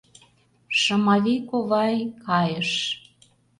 — Шымавий ковай... кайыш...